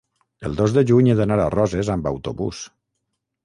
el dos de juny he d'anar a Roses amb autobús.